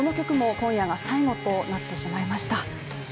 この曲も今夜が最後となってしまいました。